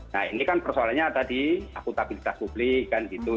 nah ini kan persoalannya tadi akutabilitas publik kan gitu